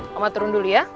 mama turun dulu ya